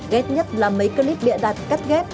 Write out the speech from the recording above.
ghét nhất là mấy clip địa đặt cắt ghét